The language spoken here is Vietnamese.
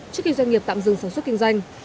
trước khi doanh nghiệp tạm dừng sản xuất kinh doanh